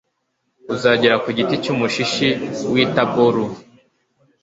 uzagera ku giti cy'umushishi w'i taboru